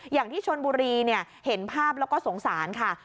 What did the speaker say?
อย่างที่ชนบุรีเห็นภาพแล้วก็สงสารค่ะ